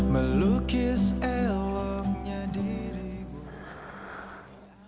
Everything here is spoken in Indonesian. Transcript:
melukis eloknya dirimu